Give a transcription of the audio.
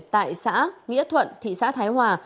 tại xã nghĩa thuận thị xã thái hòa